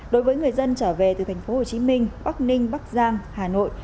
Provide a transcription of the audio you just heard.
đối với người dân trở về từ tp hcm bắc ninh bắc giang hà nội